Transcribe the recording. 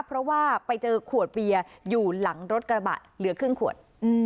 เพราะว่าไปเจอขวดเบียร์อยู่หลังรถกระบะเหลือครึ่งขวด